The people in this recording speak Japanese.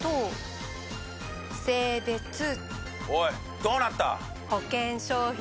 おいどうなった？